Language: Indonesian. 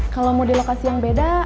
kalau mau di lokasi yang beda